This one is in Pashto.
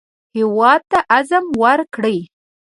هېواد ته عزم ورکړئ